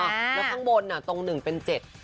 แล้วข้างบนอ่ะตรงหนึ่งเป็น๗